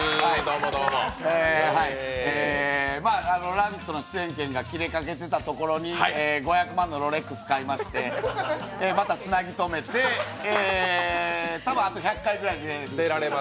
「ラヴィット！」の出演権が切れかけていたところに５００万のロレックス買いましてまたつなぎ止めてたぶんあと１００回ぐらい出られる。